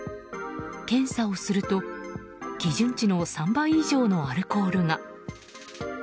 検査をすると基準値の３倍以上のアルコールが。